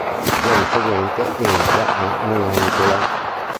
Il giorno seguente entra a Nonantola.